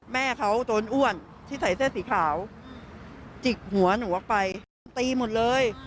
แม่เขาโดนอ้วนที่ใส่เสื้อสีขาวจิกหัวหนูออกไปตีหมดเลย